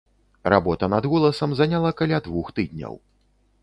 Работа над голасам заняла каля двух тыдняў.